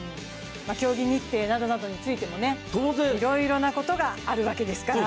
競技日程などなどについてもいろいろなことがあるわけですから。